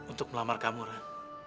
untuk melamar kamu ren